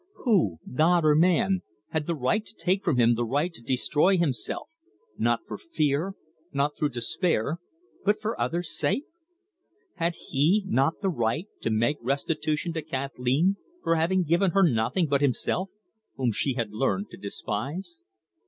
Who God or man had the right to take from him the right to destroy himself, not for fear, not through despair, but for others' sake? Had he not the right to make restitution to Kathleen for having given her nothing but himself, whom she had learned to despise?